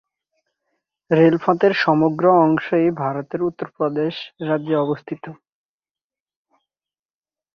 রেলপথের সমগ্র অংশই ভারতের উত্তর প্রদেশ রাজ্যে অবস্থিত।